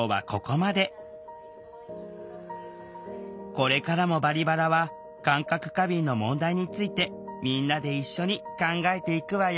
これからも「バリバラ」は感覚過敏の問題についてみんなで一緒に考えていくわよ